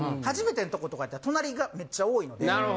初めてのとことかやったら隣がめっちゃ多いので。